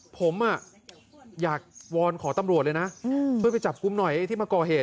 ผมอยากวอนขอตำรวจเลยนะช่วยไปจับกลุ่มหน่อยที่มาก่อเหตุ